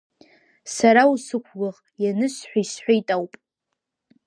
Сара усықәгәыӷ, ианысҳәа исҳәеит ауп.